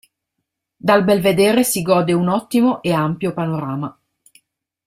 Dal belvedere si gode un ottimo e ampio panorama.